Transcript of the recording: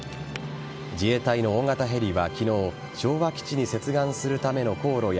自衛隊の大型ヘリは昨日昭和基地に接岸するための航路や